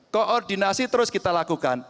koordinasi terus kita lakukan